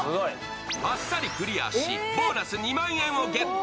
あっさりクリアし、２万円をゲット。